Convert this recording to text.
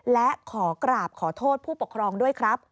และขอกราบขอโทษผู้ปกครองด้วยครับ